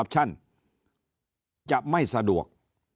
จะไม่สะดวก